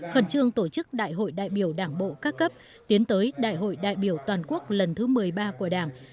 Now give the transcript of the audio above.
khẩn trương tổ chức đại hội đại biểu đảng bộ các cấp tiến tới đại hội đại biểu toàn quốc lần thứ một mươi ba của đảng